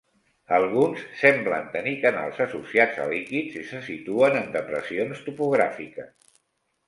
Alguns semblen tenir canals associats a líquids i se situen en depressions topogràfiques.